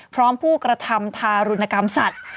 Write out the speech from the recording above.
ผู้กระทำทารุณกรรมสัตว์